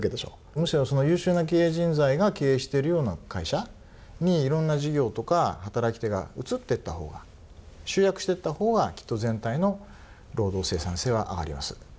むしろ優秀な経営人材が経営してるような会社にいろんな事業とか働き手が移っていったほうが集約してったほうがきっと全体の労働生産性は上がります。